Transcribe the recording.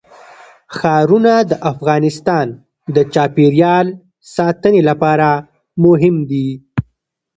ښارونه د افغانستان د چاپیریال ساتنې لپاره مهم دي.